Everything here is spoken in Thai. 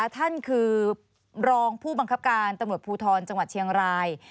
ท่านคือรองผู้บังคับการตำรวจภูทรจังหวัดเชียงราย